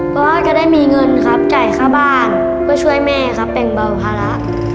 เพราะว่าจะได้มีเงินครับจ่ายค่าบ้านเพื่อช่วยแม่ครับแบ่งเบาภาระ